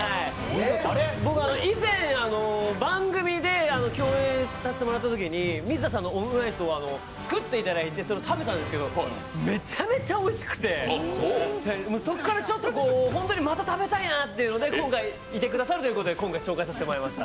以前、番組で共演させてもらったときに水田さんにオムライスを作っていただいてそれを食べたんですけど、めちゃめちゃおいしくて、そこからちょっと、また食べたいなっていうので、いてくださるということで今回、紹介させてもらいました。